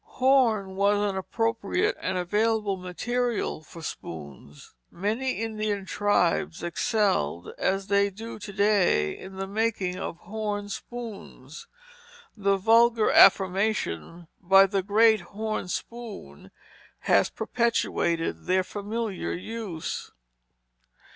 Horn was an appropriate and available material for spoons. Many Indian tribes excelled as they do to day in the making of horn spoons. The vulgar affirmation, "By the great horn spoon," has perpetuated their familiar use.